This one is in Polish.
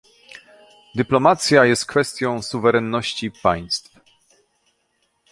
dyplomacja jest kwestią suwerenności państw